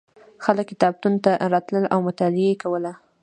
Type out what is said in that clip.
خلک کتابتون ته راتلل او مطالعه یې کوله.